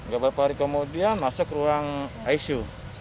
beberapa hari kemudian masuk ke ruang icu